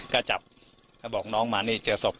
ก็จับแล้วบอกน้องมานี่เจอศพ